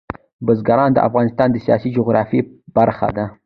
بزګان د افغانستان د سیاسي جغرافیه برخه ده.